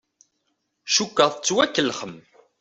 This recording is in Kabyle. Cukkeɣ tettwakellexem.